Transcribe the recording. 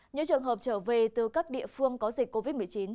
những trường hợp trở về từ các địa phương có dịch covid một mươi chín